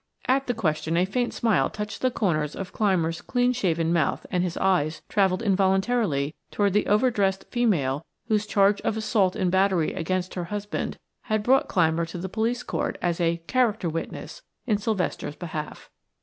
At the question a faint smile touched the corners of Clymer's clean shaven mouth and his eyes traveled involuntarily toward the over dressed female whose charge of assault and battery against her husband had brought Clymer to the police court as a "character" witness in Sylvester's behalf.